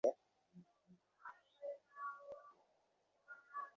Iran যদি আলোচনা থেকে সরে থাকে, তাতে কারও মঙ্গল হবে না।